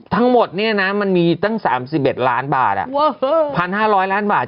ทั้งหมดเนี่ยนะมันมีตั้ง๓๑ล้านบาท๑๕๐๐ล้านบาท